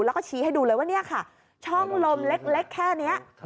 แล้วก็ชี้ให้ดูเลยว่าเนี่ยค่ะช่องลมเล็กแค่นี้